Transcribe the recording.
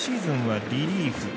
今シーズンはリリーフ。